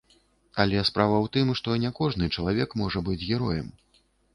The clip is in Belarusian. Але справа ў тым, што не кожны чалавек можа быць героем.